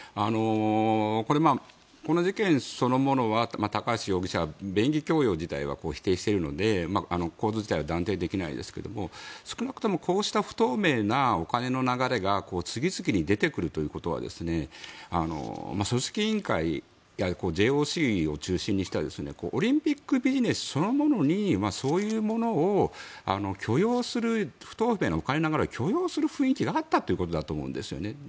これ、この事件そのものは高橋容疑者が便宜供与自体は否定しているので行動自体は断定できないですが少なくともこうした不透明なお金の流れが次々に出てくるということは組織委員会やＪＯＣを中心にしたオリンピックビジネスそのものにそういうものを許容する不透明なお金の流れを許容する雰囲気があったということだと思うんですね。